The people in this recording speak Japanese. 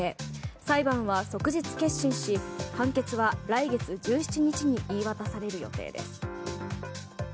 裁判は即日結審し判決は来月１７日に言い渡される予定です。